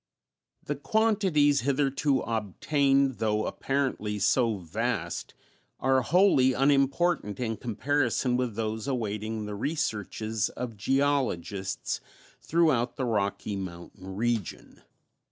The quantities hitherto obtained, though apparently so vast, are wholly unimportant in comparison with those awaiting the researches of geologists throughout the Rocky Mountain region.